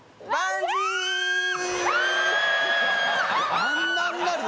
あんなになるの？